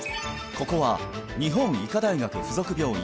ここは日本医科大学付属病院